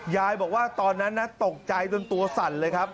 ยายบอกว่าตอนนั้นนะตกใจจนตัวสั่นเลยครับ